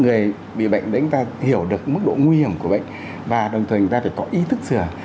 người bị bệnh đánh ta hiểu được mức độ nguy hiểm của bệnh và đồng thời người ta phải có ý thức sửa